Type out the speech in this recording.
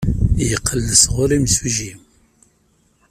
Yeqqel-d sɣur yimsujji.